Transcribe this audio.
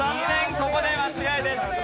ここで間違いです。